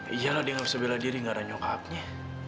iyalah dia tidak bisa berdiri tidak ada nyokapnya